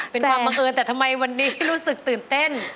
เป็นความบังเอิญแต่ทำไมวันนี้รู้สึกตื่นเต้น